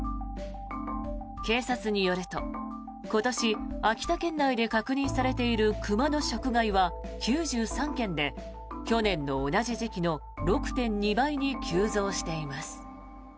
警察によると今年、秋田県内で確認されている熊の食害は９３件で去年の同じ時期の６．２倍に急増しています。